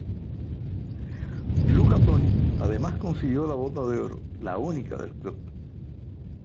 Luca Toni además consiguió la Bota de Oro, la única del club.